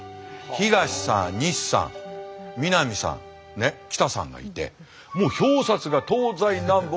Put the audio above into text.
東さん西さん南さん北さんがいてもう表札が東西南北